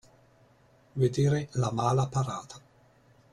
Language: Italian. Vedere la mala parata.